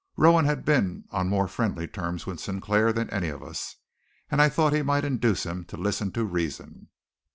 Rowan had been on more friendly terms with Sinclair than any of us, and I thought that he might induce him to listen to reason."